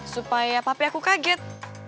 supaya papi aku kaget